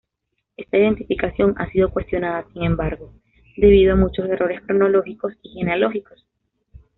Esta identificación ha sido cuestionada, sin embargo, debido a muchos errores cronológicos y genealógicos.